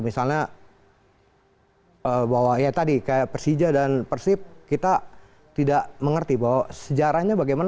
misalnya bahwa ya tadi kayak persija dan persib kita tidak mengerti bahwa sejarahnya bagaimana